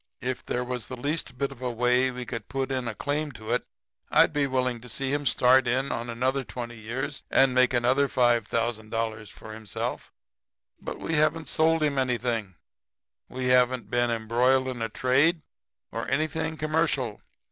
If there was the least bit of a way we could put in a claim to it I'd be willing to see him start in for another twenty years and make another $5,000 for himself, but we haven't sold him anything, we haven't been embroiled in a trade or anything commercial.